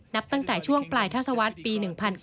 นับตั้งแต่ช่วงปลายทัศวรรษปี๑๙